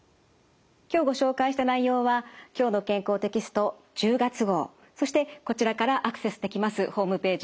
今日ご紹介した内容は「きょうの健康」テキスト１０月号そしてこちらからアクセスできますホームページ